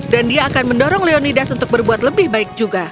dan dia akan mendorong leonidas untuk berbuat lebih baik juga